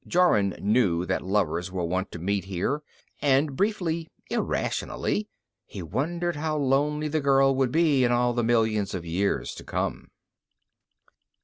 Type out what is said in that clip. Jorun knew that lovers were wont to meet here, and briefly, irrationally, he wondered how lonely the girl would be in all the millions of years to come.